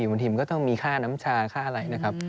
บางทีมันก็ต้องมีค่าน้ำชาค่าอะไรนะครับ